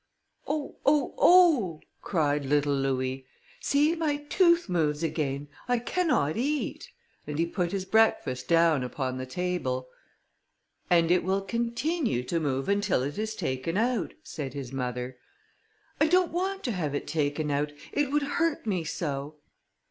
"Oh! Oh! Oh!" cried little Louis, "see, my tooth moves again, I cannot eat;" and he put his breakfast down upon the table. "And it will continue to move until it is taken out," said his mother. "I don't want to have it taken out, it would hurt me so."